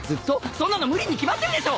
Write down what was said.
そんなの無理に決まってるでしょ！